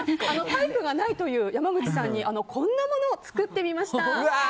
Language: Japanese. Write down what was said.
タイプがないという山口さんにこんなものを作ってみました。